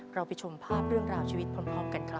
เราไปชมภาพเรื่องราวชีวิตพร้อมกันครับ